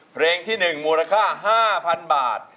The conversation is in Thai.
เพลงที่๑มูลค่า๕๐๐๐บาท